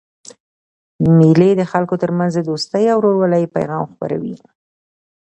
مېلې د خلکو ترمنځ د دوستۍ او ورورولۍ پیغام خپروي.